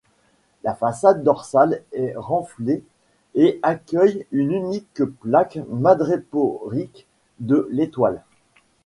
La façade dorsale est renflée et accueille une unique plaque madréporique de l'étoile.